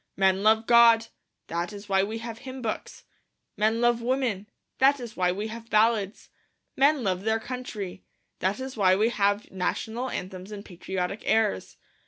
Men love God; that is why we have hymn books. Men love women; that is why we have ballads. Men love their country; that is why we have national anthems and patriotic airs.